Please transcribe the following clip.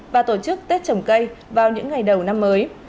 và tổ chức tết trồng cây vào những ngày đầu năm mới